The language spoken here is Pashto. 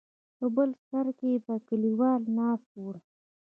په بل سر کې به کليوال ناست ول.